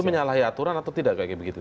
menyalahi aturan atau tidak kayak begitu